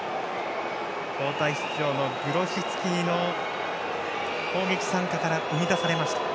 交代出場のグロシツキの攻撃参加から生み出されました。